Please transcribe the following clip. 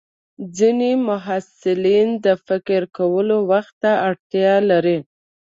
ځینې محصلین د فکر کولو وخت ته اړتیا لري.